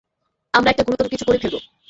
আমরা একটা গুরুতর কিছু করে ফেলব।